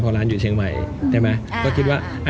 เพราะร้านอยู่เชียงใหม่ใช่มั้ยก็คิดว่า